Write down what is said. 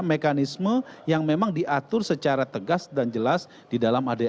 mekanisme yang memang diatur secara tegas dan jelas di dalam adrt